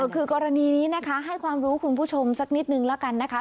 คือกรณีนี้นะคะให้ความรู้คุณผู้ชมสักนิดนึงแล้วกันนะคะ